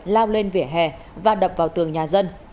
lao lên vỉa hè và đập vào tường nhà dân